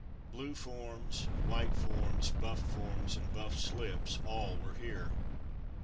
Blue forms, white forms, buff forms, and buff "slips,'' all were here.